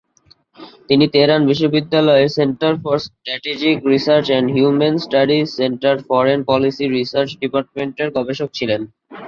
তিনি তেহরান বিশ্ববিদ্যালয়ের centre for strategic research এবং উইমেন স্টাডিজ সেন্টারের ফরেন পলিসি রিসার্চ ডিপার্টমেন্টের গবেষক ছিলেন।